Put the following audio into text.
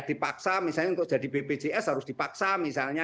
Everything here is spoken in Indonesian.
dipaksa misalnya untuk jadi bpjs harus dipaksa misalnya